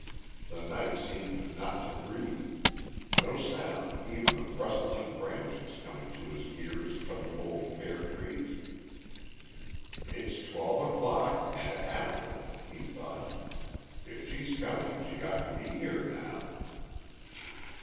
The night seemed not to breathe, no sound even of rustling branches coming to his ears from the old pear trees. "It's twelve o'clock, and after," he thought. "If she's coming she ought to be here now."